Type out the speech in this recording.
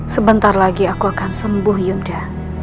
sebentar lagi aku akan sembuh yuda